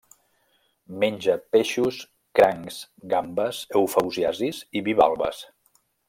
Menja peixos, crancs, gambes, eufausiacis i bivalves.